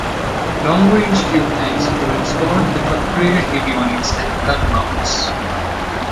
Long range fuel tanks were installed with upgraded avionics and gun mounts.